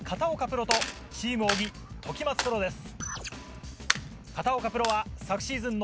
プロとチーム小木・時松プロです。